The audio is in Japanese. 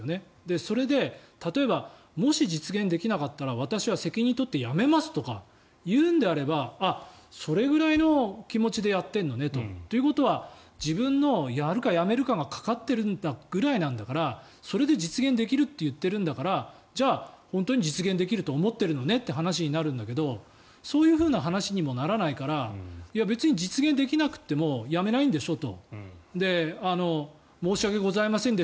それで例えばもし実現できなかったら私は責任を取って辞めますとか言うのであればそれぐらいの気持ちでやってるのねと。ということは自分のやるか辞めるかがかかってるぐらいなんだからそれで実現できると言っているんだからじゃあ、本当に実現できると思ってるのねという話になるんだけどそういう話にもならないから別に実現できなくても辞めないんでしょと。